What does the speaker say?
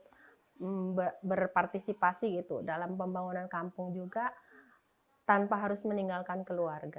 harus berpartisipasi gitu dalam pembangunan kampung juga tanpa harus meninggalkan keluarga